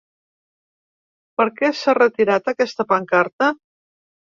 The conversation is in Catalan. Per què s’ha retirat aquesta pancarta?